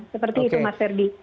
seperti itu mas ferdi